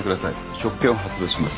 職権を発動します。